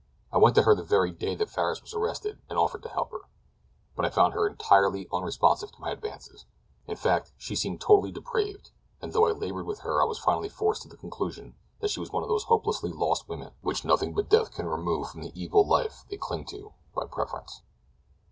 I went to her the very day that Farris was arrested and offered to help her; but I found her entirely unresponsive to my advances. In fact, she seemed totally depraved, and though I labored with her I was finally forced to the conclusion that she was one of those hopelessly lost women which nothing but death can remove from the evil life they cling to by preference."